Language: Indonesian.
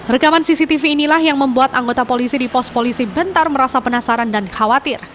rekaman cctv inilah yang membuat anggota polisi di pos polisi bentar merasa penasaran dan khawatir